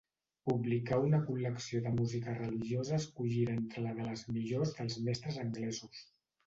Publicà una col·lecció de música religiosa escollida entre la de les millors dels mestres anglesos.